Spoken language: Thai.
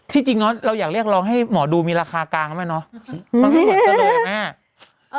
ที่จริงเนาะเราอยากเรียกลองให้หมอดูมีราคากลางไหมเนาะ